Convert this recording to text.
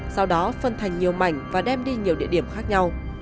sau đó phân thành nhiều mảnh và đem đi nhiều địa điểm khác nhau